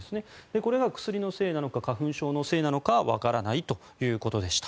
これが薬のせいなのか花粉症のせいなのかわからないということでした。